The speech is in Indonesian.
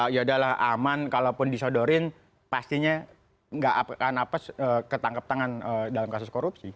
ya udah lah aman kalaupun disodorin pastinya enggak akan apa apa ketangkep tangan dalam kasus korupsi